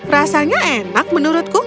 rasanya enak menurutku